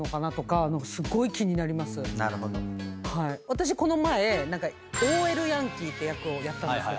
私この前ＯＬヤンキーって役をやったんですけども。